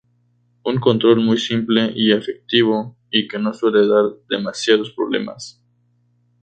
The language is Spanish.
Un control muy simple y efectivo y que no suele dar demasiados problemas.